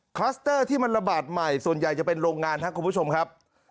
คลัสเตอร์ที่มันระบาดใหม่ส่วนใหญ่จะเป็นโรงงานครับคุณผู้ชมครับ